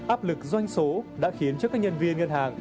áp lực doanh số đã khiến cho các nhân viên ngân hàng